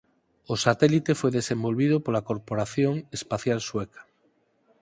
O satélite foi desenvolvido pola Corporación Espacial Sueca.